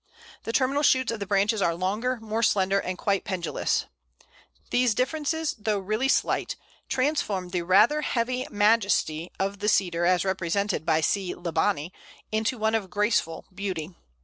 The terminal shoots of the branches are longer, more slender, and quite pendulous. These differences, though really slight, transform the rather heavy majesty of the Cedar, as represented by C. libani, into one of graceful beauty.